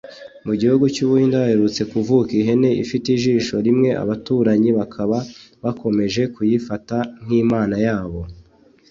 Mu gihugu cy’ u Buhinde haherutse kuvuka ihene ifite ijisho rimwe abaturanyi bakaba bakomeje kuyifata nk’imana yabo